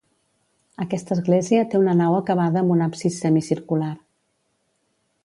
Aquesta església té una nau acabada amb un absis semicircular.